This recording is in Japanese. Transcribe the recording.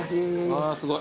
あーすごい。